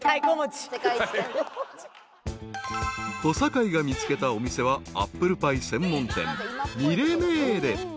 ［小堺が見つけたお店はアップルパイ専門店］